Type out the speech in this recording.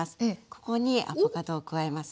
ここにアボカドを加えますね。